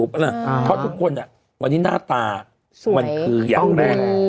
เพราะทุกคนวันนี้หน้าตามันคืออย่างแรก